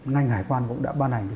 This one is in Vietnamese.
ngành hải quan cũng đã ban hành